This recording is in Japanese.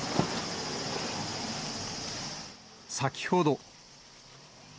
先ほど。